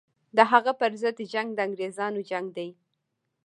د هغه پر ضد جنګ د انګرېزانو جنګ دی.